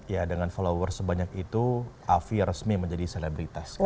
ya dengan followers sebanyak itu afi resmi menjadi selebritas